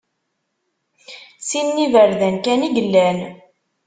Sin n iberdan kan i yellan.